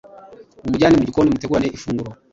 umujyane mu gikoni mutegurane ifunguro